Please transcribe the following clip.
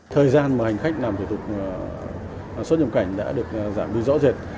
thời gian mà hành khách làm thủ tục xuất nhập cảnh đã được giảm đi rõ rệt